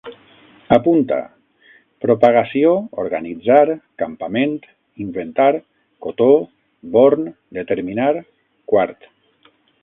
Apunta: propagació, organitzar, campament, inventar, cotó, born, determinar, quart